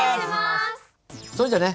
それじゃね